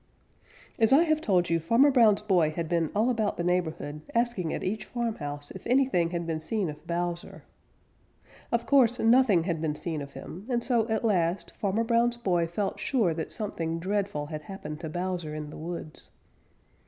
_ As I have told you, Farmer Brown's boy had been all about the neighborhood asking at each farmhouse if anything had been seen of Bowser. Of course nothing had been seen of him, and so at last Farmer Brown's boy felt sure that something dreadful had happened to Bowser in the woods.